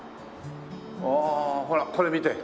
ああほらこれ見て。